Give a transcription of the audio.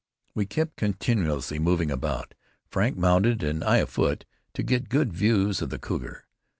We kept continually moving about, Frank mounted, and I afoot, to get good views of the cougar.